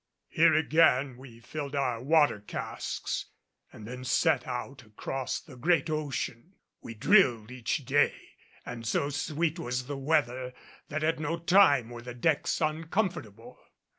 Here again we filled our water casks, and then set out across the great ocean. We drilled each day, and so sweet was the weather that at no time were the decks uncomfortable.